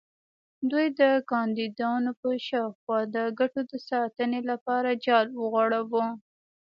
دوی د کاندیدانو پر شاوخوا د ګټو د ساتنې لپاره جال وغوړاوه.